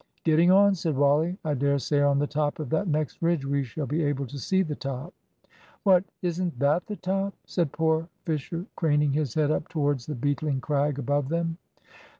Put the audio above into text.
"Getting on," said Wally. "I dare say on the top of that next ridge we shall be able to see the top." "What, isn't that the top?" said poor Fisher, craning his head up towards the beetling crag above them.